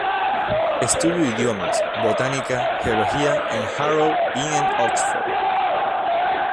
Estudió idiomas, botánica, geología en Harrow y en Oxford.